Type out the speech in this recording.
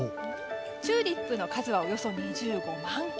チューリップの数はおよそ２５万球。